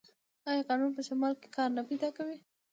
آیا کانونه په شمال کې کار نه پیدا کوي؟